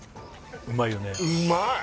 うまいよね